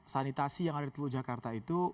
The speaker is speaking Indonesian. sanitasi yang ada di teluk jakarta itu